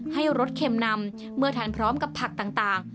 รสเค็มนำเมื่อทานพร้อมกับผักต่าง